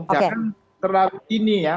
jangan terlalu kini ya